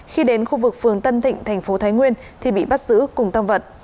khi đến khu vực phường tân thịnh thành phố thái nguyên thì bị bắt giữ cùng tam vật